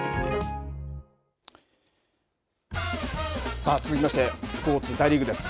さあ続きましてスポーツ大リーグです。